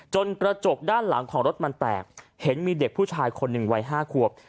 กระจกด้านหลังของรถมันแตกเห็นมีเด็กผู้ชายคนหนึ่งวัย๕ขวบ